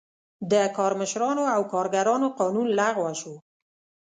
د کارمشرانو او کارګرانو قانون لغوه شو.